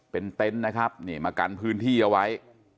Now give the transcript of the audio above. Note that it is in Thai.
เป็นเต็นต์นะครับนี่มากันพื้นที่เอาไว้